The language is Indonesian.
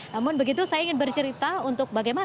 namun begitu saya ingin bercerita untuk bagaimana